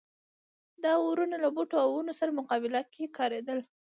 دا اورونه له بوټو او ونو سره مقابله کې کارېدل.